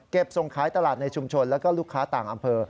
ส่งขายตลาดในชุมชนแล้วก็ลูกค้าต่างอำเภอ